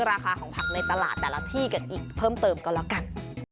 ราคาของผักในตลาดแต่ละที่กันอีกเพิ่มเติมก็แล้วกัน